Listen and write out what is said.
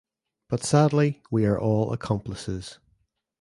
But sadly we are all accomplices.